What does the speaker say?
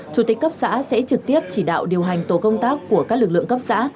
chủ tịch cấp xã sẽ trực tiếp chỉ đạo điều hành tổ công tác của các lực lượng cấp xã